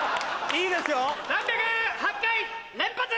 いいですよ。